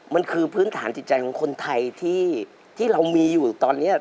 มันคือพื้นฐานจิตใจของคนไทยที่เรามีอยู่ตอนนี้